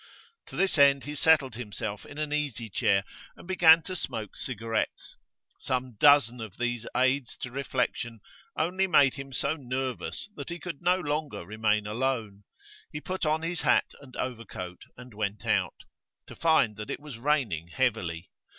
To this end he settled himself in an easy chair and began to smoke cigarettes. Some dozen of these aids to reflection only made him so nervous that he could no longer remain alone. He put on his hat and overcoat and went out to find that it was raining heavily.